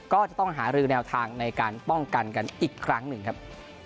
ก็จะต้องหารือแนวทางในการป้องกันกันอีกครั้งหนึ่งครับ